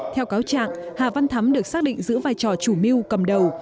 theo cáo trạng hà văn thắm được xác định giữ vai trò chủ mưu cầm đầu